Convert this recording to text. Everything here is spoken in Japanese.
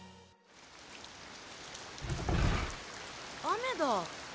雨だ。